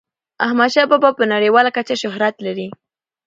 احمد شاه بابا په نړیواله کچه شهرت لري.